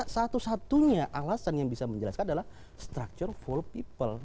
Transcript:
satu satunya alasan yang bisa menjelaskan adalah structure full people